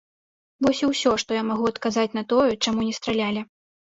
Вось і ўсё, што я магу адказаць на тое, чаму не стралялі.